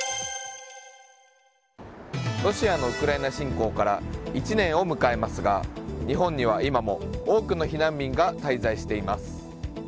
ロシアのウクライナ侵攻から１年を迎えますが日本には今も多くの避難民が滞在しています。